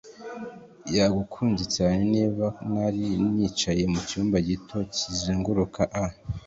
yagukunze cyane niba nari nicaye mucyumba gito kizunguruka a